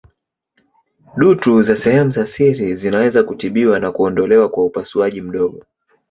Dutu za sehemu za siri zinaweza kutibiwa na kuondolewa kwa upasuaji mdogo.